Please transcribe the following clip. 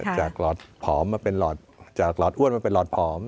จากหลอดอ้วนมาเป็นหลอดผอม